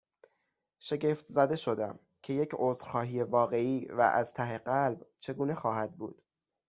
شگفت زده شدم، که یک عذرخواهی واقعی و از ته قلب چگونه خواهد بود؟